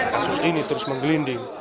kasus ini terus menggelinding